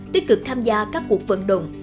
tích cực tham gia các cuộc phận động